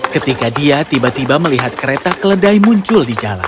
ketika dia tiba tiba melihat kereta keledai muncul di jalan